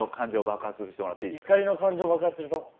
怒りの感情爆発すると。